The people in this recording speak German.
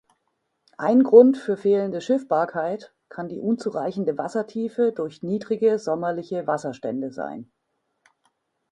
Ein Grund für fehlende Schiffbarkeit kann die unzureichende Wassertiefe durch niedrige sommerliche Wasserstände sein.